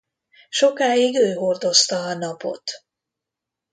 Sokáig ő hordozta a Napot.